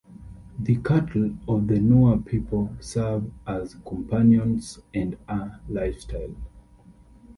The cattle of the Nuer people serve as companions and a lifestyle.